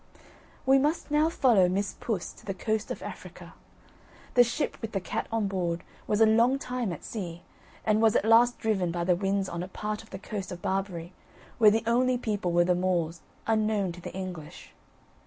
We must now follow Miss Puss to the coast of Africa. The ship with the cat on board, was a long time at sea; and was at last driven by the winds on a part of the coast of Barbary, where the only people were the Moors, unknown to the English.